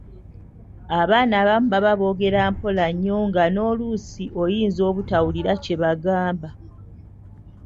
Abaana abamu baba boogera mpola nnyo nga n’oluusi oyinza obutawulira kye bagamba.